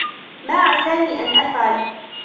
ما عساني أن أفعل ؟